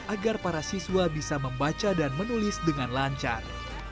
agar para siswa bisa membaca dan menulis dengan lancar